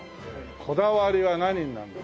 こだわりは何になるんですか？